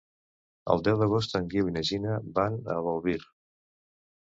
El deu d'agost en Guiu i na Gina van a Bolvir.